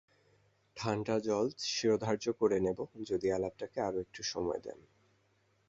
ঠাণ্ডা জল শিরোধার্য করে নেব, যদি আলাপটাকে আরো একটু সময় দেন।